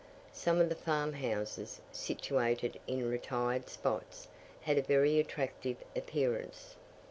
Some of the farm houses, situated in retired spots, had a very attractive appearance.